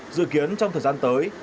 dự kiến trong thời gian tới